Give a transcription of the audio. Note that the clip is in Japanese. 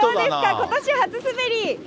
ことし初滑り。